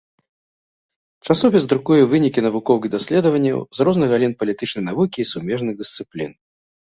Часопіс друкуе вынікі навуковых даследаванняў з розных галін палітычнай навукі і сумежных дысцыплін.